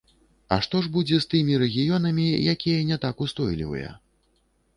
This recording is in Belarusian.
А што ж будзе з тымі рэгіёнамі, якія не так устойлівыя?